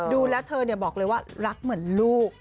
ดูแล้วเธอบอกเลยว่ารักเหมือนลูก